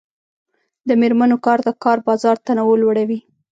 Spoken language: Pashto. د میرمنو کار د کار بازار تنوع لوړوي.